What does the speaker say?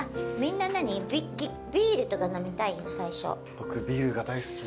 僕ビールが大好きで。